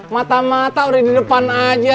mata mata udah di depan aja